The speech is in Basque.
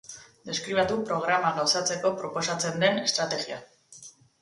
Deskribatu programa gauzatzeko proposatzen den estrategia.